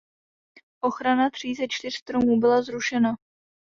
Ochrana tří ze čtyř stromů byla zrušena.